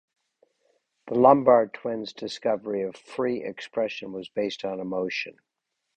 The Lombard Twins’ discovery of "Free Expression" was based on emotion.